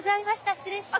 失礼します。